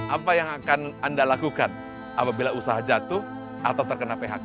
apa yang akan anda lakukan apabila usaha jatuh atau terkena phk